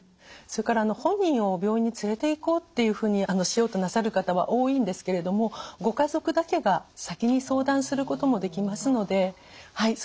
それから本人を病院に連れていこうっていうふうにしようとなさる方は多いんですけれどもご家族だけが先に相談することもできますのでは